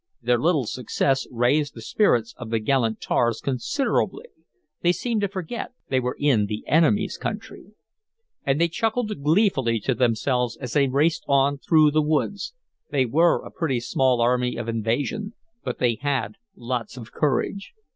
Their little success raised the spirits of the gallant tars considerably; they seemed to forget they were in the enemy's country. And they chuckled gleefully to themselves as they raced on through the woods; they were a pretty small army of invasion, but they had lots of courage.